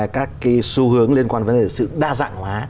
các cái xu hướng liên quan đến sự đa dạng hóa